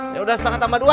yaudah setengah tambah dua